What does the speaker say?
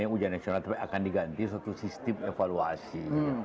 ujian nasional akan diganti satu sistem evaluasi